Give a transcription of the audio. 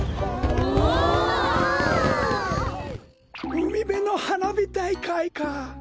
うみべのはなびたいかいか。